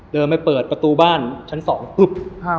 เดินไปเปิดประตูบ้านชั้นสองปุ๊บ